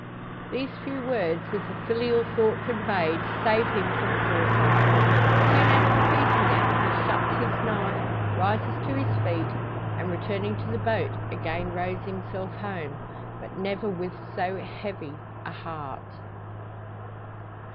These few words, with the filial thought conveyed, save him from suicide. Soon as repeating them, he shuts to his knife, rises to his feet, and returning to the boat again rows himself home but never with so heavy a heart.